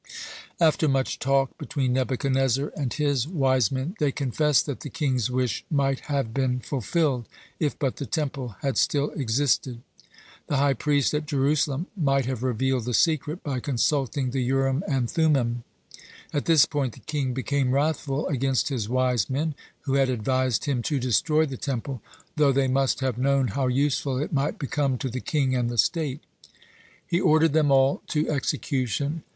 After much talk between Nebuchadnezzar and his wise men, they confessed that the king's wish might have been fulfilled, if but the Temple had still existed. The high priest at Jerusalem might have revealed the secret by consulting the Urim and Thummim. At this point the king became wrathful against his wise men, who had advised him to destroy the Temple, though they must have known how useful it might become to the king and the state. He ordered them all to execution.